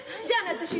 じゃあ私